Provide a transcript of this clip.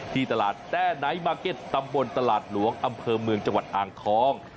ที่ตลาดแต้ไนท์มาร์เก็ตตำบลตลาดหลวงอำเภอเมืองจังหวัดอ่างทอง